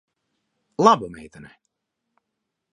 Laba meitene.